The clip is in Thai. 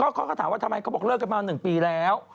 เขาก็ถามว่าทำไมเขาบอกเลิกกันมา๑ปีแล้ว